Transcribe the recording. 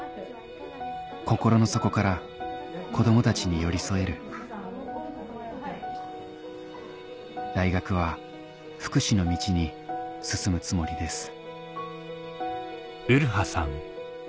心の底から子供たちに寄り添える大学は福祉の道に進むつもりです